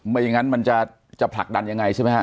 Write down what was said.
ไม่อย่างนั้นมันจะผลักดันยังไงใช่ไหมฮะ